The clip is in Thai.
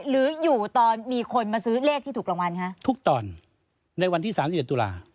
หรืออยู่ตอนมีคนมาซื้อเลขที่ถูกรางวัลคะทุกตอนในวันที่๓๑ตุลา